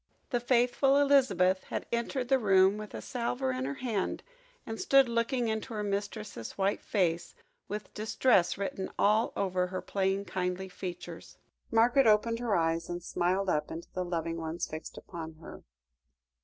The faithful Elizabeth had entered the room with a salver in her hand, and stood looking into her mistress's white face, with distress written all over her plain kindly features. Margaret opened her eyes, and smiled up into the loving ones fixed upon her.